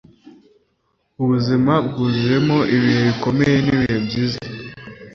ubuzima bwuzuyemo ibihe bikomeye nibihe byiza